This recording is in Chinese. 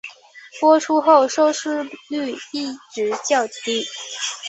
播出后收视率一直较低。